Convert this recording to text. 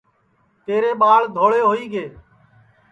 تیرے ٻاݪ دھوڑے ہوئی گے